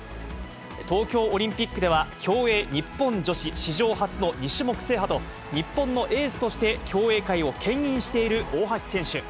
東京オリンピックでは、競泳日本女子史上初の２種目制覇と、日本のエースとして競泳界をけん引している大橋選手。